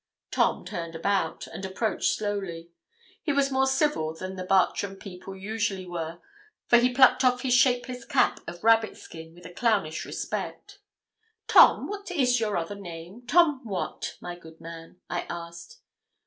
Tom turned about, and approached slowly. He was more civil than the Bartram people usually were, for he plucked off his shapeless cap of rabbit skin with a clownish respect. 'Tom, what is your other name, Tom what, my good man?' I asked.